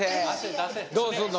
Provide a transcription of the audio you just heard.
出せどうすんの？